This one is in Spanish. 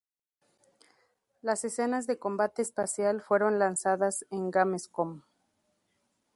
Las escenas de combate espacial fueron lanzadas en "Gamescom.